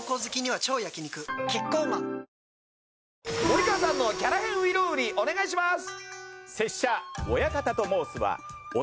森川さんのキャラ変「外郎売」お願いします！